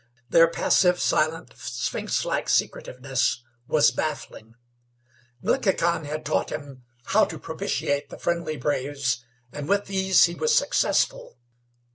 Their passive, silent, sphinx like secretiveness was baffling. Glickhican had taught him how to propitiate the friendly braves, and with these he was successful.